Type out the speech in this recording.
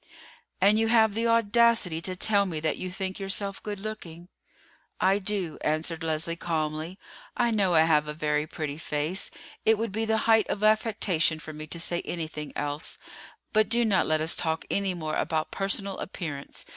"And you have the audacity to tell me that you think yourself good looking?" "I do," answered Leslie calmly. "I know I have a very pretty face; it would be the height of affectation for me to say anything else. But do not let us talk any more about personal appearance.